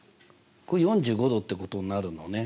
これ４５°ってことになるのね。